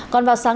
còn vào sáng